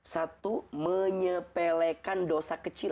satu menyepelekan dosa kecil